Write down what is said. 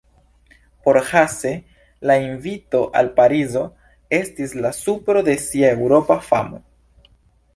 Por Hasse la invito al Parizo estis la supro de sia Eŭropa famo.